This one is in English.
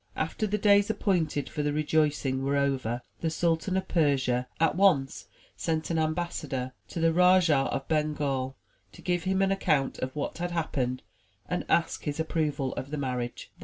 After the days appointed for the rejoicing were over, the Sultan of Persia at once sent an ambassador to the Rajah of Bengal, to give him an account of what had happened and ask his approval of the marriage.